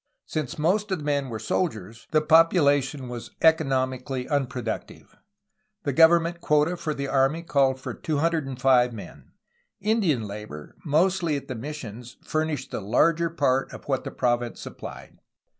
Since most of the men were soldiers, the population was economically unpro ductive; the government quota for the army called for 205 men. Indian labor, mostly at the missions, furnished the larger part of what the province supplied.